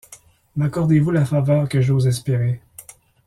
M’accordez-vous la faveur que j’ose espérer?